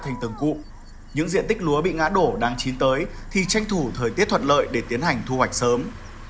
thành tầng cụ những diện tích lúa bị ngã đổ đang chín tới thì tranh thủ thời tiết thuận lợi để tiến hành thu hoạch sớm